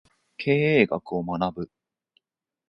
経営学を学ぶ